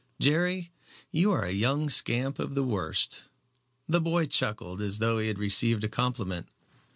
"Jerry, you are a young scamp of the worst." The boy chuckled as though he had received a compliment.